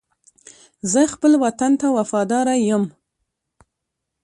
زه و خپل وطن ته وفاداره یم.